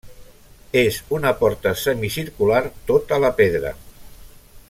És una porta semicircular tota la pedra.